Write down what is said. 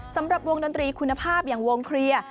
สำหรับวงดนตรีคุณภาพอย่างวงเคลียร์